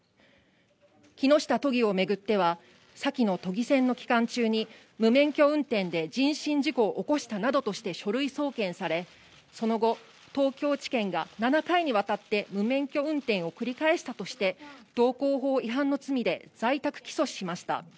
木下都議を巡っては、先の都議選の期間中に、無免許運転で人身事故を起こしたなどとして、書類送検され、その後、東京地検が７回にわたって無免許運転を繰り返したとして、道交法違反の罪で在宅起訴しました。